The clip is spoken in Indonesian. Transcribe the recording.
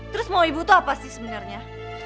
terus mau ibu itu apa sih sebenarnya